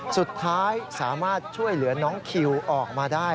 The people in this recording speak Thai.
สุดท้ายสามารถช่วยเหลือน้องคิวออกมาได้